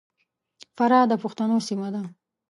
فراه د پښتنو سیمه ده.